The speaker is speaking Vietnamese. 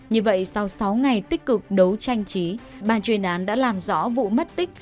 như vậy sau sáu ngày tích cực đấu tranh trí bàn chuyên án đã làm rõ vụ mất tích